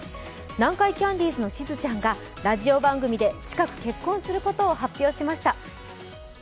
南海キャンディーズのしずちゃんがラジオ番組で近く結婚することを発表しました。